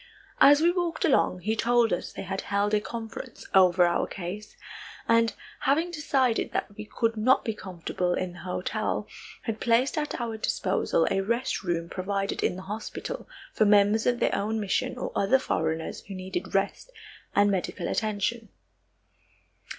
As we walked along he told us they had held a conference over our case, and, having decided that we could not be comfortable in the hotel, had placed at our disposal a rest room provided in the hospital for members of their own mission or other foreigners who needed rest and medical attention.